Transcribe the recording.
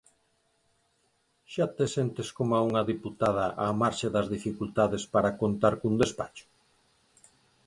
Xa te sentes como unha deputada á marxe das dificultades para contar cun despacho?